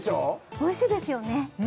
おいしいですよね